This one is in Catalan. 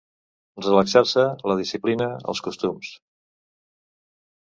Relaxar-se la disciplina, els costums.